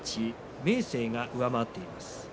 明生が上回っています。